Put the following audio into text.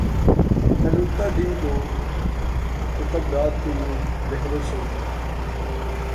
نہ لٹتا دن کو‘ تو کب رات کو یوں بے خبر سوتا!